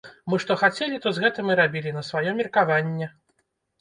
Мы што хацелі, то з гэтым і рабілі на сваё меркаванне.